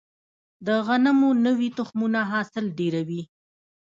د غنمو نوي تخمونه حاصل ډیروي.